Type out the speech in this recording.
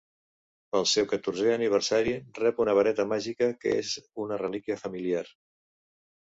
Pel seu catorzè aniversari, rep una vareta màgica que és una relíquia familiar.